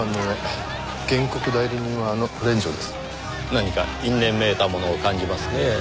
何か因縁めいたものを感じますねぇ。